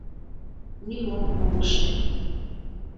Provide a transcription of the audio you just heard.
— Нимом ом ыште.